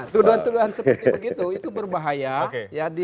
tuduhan tuduhan seperti begitu itu berbahaya